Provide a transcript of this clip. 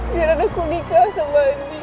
biar anakku nikah sama andi